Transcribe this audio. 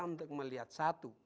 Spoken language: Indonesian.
untuk melihat satu